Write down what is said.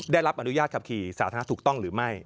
ได้รับอนุญาตขับขี่สาธารณะถูกต้องหรือไม่